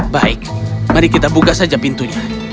baik mari kita buka saja pintunya